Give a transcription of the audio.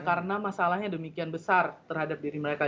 karena masalahnya demikian besar terhadap diri mereka